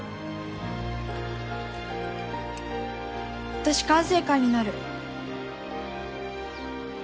私管制官になる。